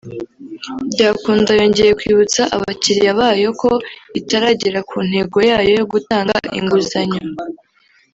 Byakunda yongeye kwibutsa abakiriya bayo ko itaragera ku ntego yayo yo gutanga inguzanyo